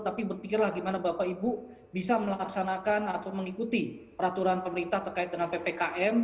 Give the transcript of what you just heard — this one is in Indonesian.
tapi berpikirlah gimana bapak ibu bisa melaksanakan atau mengikuti peraturan pemerintah terkait dengan ppkm